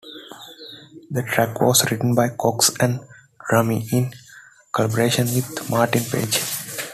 The track was written by Cox and Drummie in collaboration with Martin Page.